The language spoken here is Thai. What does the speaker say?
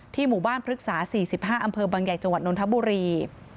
ที่หมู่บ้านพฤกษาสี่สิบห้าอำเภอบางแยกจังหวัดนทบุรี